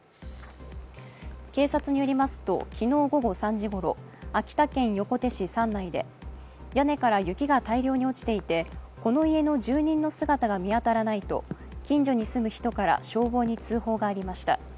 警察によりますと昨日午後３時ごろ秋田県横手市山内で屋根から雪が大量に落ちていてこの家の住人の姿が見当たらないと近所に住む人から消防に通報がありました。